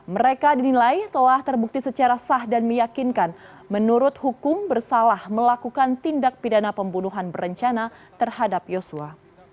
mereka dinilai telah terbukti secara sah dan meyakinkan menurut hukum bersalah melakukan tindak pidana pembunuhan berencana terhadap yosua